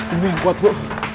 ibu yang kuat bu